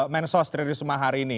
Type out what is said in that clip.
mensos tririsma hari ini